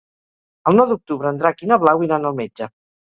El nou d'octubre en Drac i na Blau iran al metge.